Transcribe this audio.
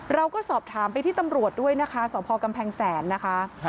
เราก็สอบถามไปที่ตำรวจด้วยนะคะสพกำแพงแสนนะคะ